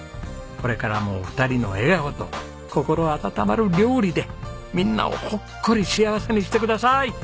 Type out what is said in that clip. これからもお二人の笑顔と心温まる料理でみんなをほっこり幸せにしてください！